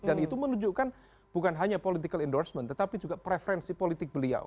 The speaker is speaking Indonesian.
dan itu menunjukkan bukan hanya political endorsement tetapi juga preferensi politik beliau